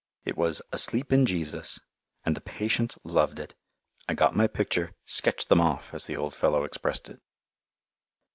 It was "Asleep in Jesus," and the patients loved it! I got my picture, "sketched them off," as the old fellow expressed it.